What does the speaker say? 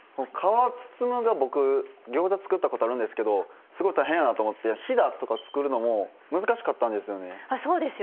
皮を包むのが僕、ギョーザ作ったことあるんですけどすごい大変やなと思ってひだとか作るのも難しかったんですよね。